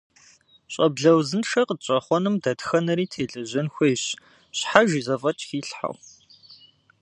Щӏэблэ узыншэ къытщӏэхъуэным дэтхэнэри телэжьэн хуейщ, щхьэж и зэфӏэкӏ хилъхьэу.